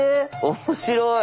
面白い！